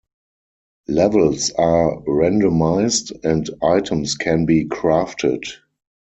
Levels are randomized, and items can be crafted.